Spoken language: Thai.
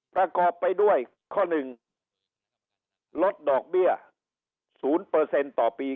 ประกอบไปด้วยข้อหนึ่งลดดอกเบี้ยศูนย์เปอร์เซ็นต์ต่อปี